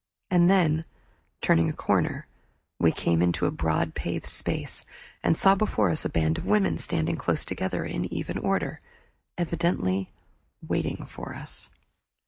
And then, turning a corner, we came into a broad paved space and saw before us a band of women standing close together in even order, evidently waiting for us.